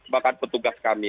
bahkan petugas kami